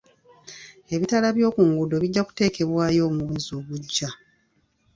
Ebitaala by'oku nguudo bijja kuteekebwayo omwezi ogujja.